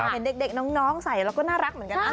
เห็นเด็กน้องใส่แล้วก็น่ารักเหมือนกันนะ